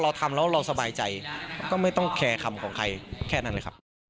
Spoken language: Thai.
เราทำแล้วเราสบายใจก็ไม่ต้องแคร์คำของใครแค่นั้นเลยครับ